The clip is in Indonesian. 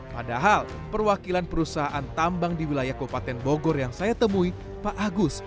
padahal perwakilan perusahaan tambang di wilayah kabupaten bogor yang saya temui pak agus